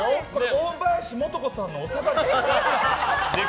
大林素子さんのおさがりでしょ。